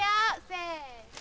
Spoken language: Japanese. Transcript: せの。